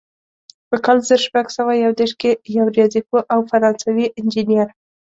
په کال زر شپږ سوه یو دېرش کې یو ریاضي پوه او فرانسوي انجینر.